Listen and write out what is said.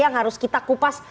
yang harus kita kupas